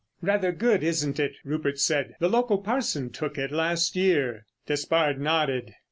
"Rather good, isn't it?" Rupert said. "The local parson took it last year." Despard nodded.